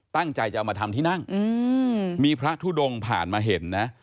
ตั้งใจจะเอามาทำที่นั่งมีพระทุดงผ่านมาเห็นนะ